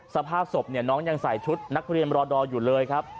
สภาพศพน้องยังใส่ชุดนักเรียนรอดออยู่เลยครับ